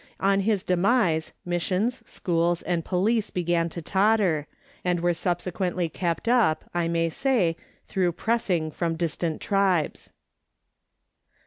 On his demise, missions, schools, and police began to totter, and were subsequently kept up, I may say, through pressing from distant tribes.